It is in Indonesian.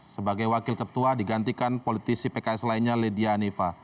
sebagai wakil ketua digantikan politisi pks lainnya lidia anifa